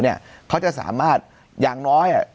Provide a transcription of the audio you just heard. เป็นสิ่งที่เขาจะสามารถอย่างน้อย